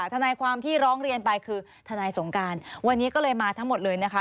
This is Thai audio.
ทนายความที่ร้องเรียนไปคือทนายสงการวันนี้ก็เลยมาทั้งหมดเลยนะคะ